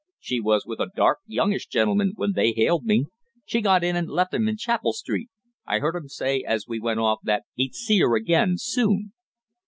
"She was with a dark, youngish gentleman when they hailed me. She got in and left 'im in Chapel Street. I heard 'im say as we went off that he'd see 'er again soon."